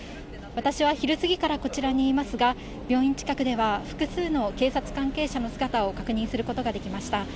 私は昼過ぎからこちらにいますが、病院近くでは複数の警察関係者の姿を確認することができました。